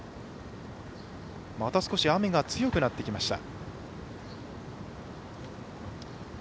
また少し雨が強くなってきました。